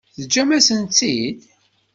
Teǧǧam-asen-tt-id?